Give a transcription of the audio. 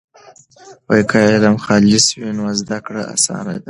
که علم خالص وي نو زده کړه اسانه ده.